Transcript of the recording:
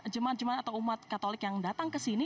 jemaat jemaat atau umat katolik yang datang ke sini